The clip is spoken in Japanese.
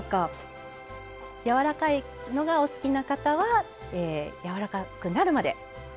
やわらかいのがお好きな方はやわらかくなるまで。